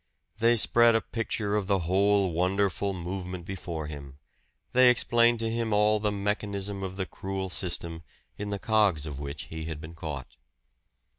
They spread a picture of the whole wonderful movement before him; they explained to him all the mechanism of the cruel system, in the cogs of which he had been caught.